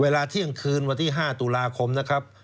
เวลาเที่ยงคืนวันที่๕ตุลาคมนะครับ